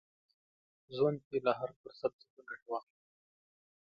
ژوند کې له هر فرصت څخه ګټه واخلئ.